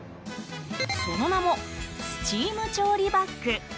その名もスチーム調理バッグ。